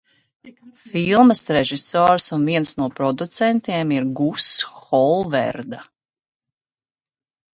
Filmas režisors un viens no producentiem ir Guss Holverda.